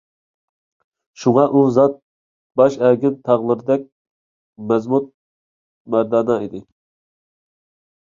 شۇڭا ئۇ زات ، باش ئەگىم تاغلىرىدەك مەزمۇت - مەردانە ئىدى .